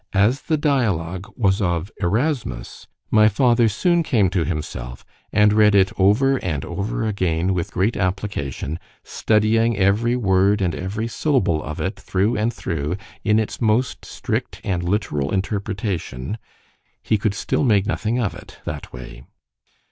As the dialogue was of Erasmus, my father soon came to himself, and read it over and over again with great application, studying every word and every syllable of it thro' and thro' in its most strict and literal interpretation—he could still make nothing of it, that way.